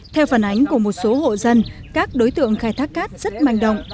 theo phản ánh của một số hộ dân các đối tượng khai thác cát rất manh động